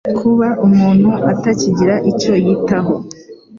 kuba umuntu atakigira icyo yitaho